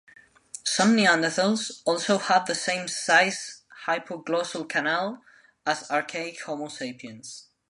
Some Neanderthals also had the same size hypoglossal canal as archaic H. sapiens.